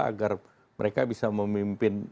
agar mereka bisa memimpin